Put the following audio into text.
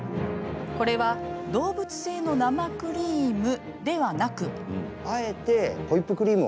これは動物性の生クリームではなく。